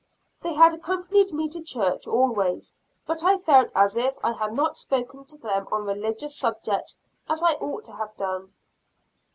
They had accompanied me to church, always, but I felt as if I had not spoken to them on religious subjects as I ought to have done.